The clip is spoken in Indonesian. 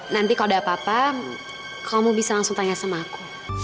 nanti kalau ada apa apa kamu bisa langsung tanya sama aku